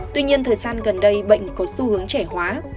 tuy nhiên thời gian gần đây bệnh có xu hướng trẻ hóa